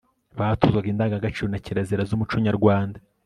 batozwaga indangagaciro na kirazira z'umuco nyarwanda